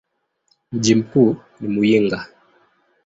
Mji mkuu ni Muyinga.